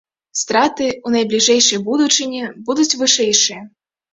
Страты ў найбліжэйшай будучыні будуць вышэйшыя.